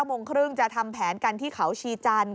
โมงครึ่งจะทำแผนกันที่เขาชีจันทร์